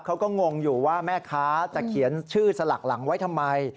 งงอยู่ว่าแม่ค้าจะเขียนชื่อสลักหลังไว้ทำไม